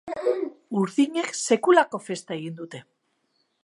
Urdinek sekulako festa egin dute!